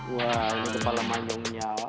wah ini kepala manyunya